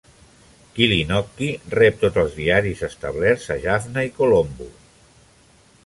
Kilinochchi rep tots els diaris establerts a Jaffna i Colombo.